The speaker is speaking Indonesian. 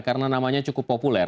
karena namanya cukup populer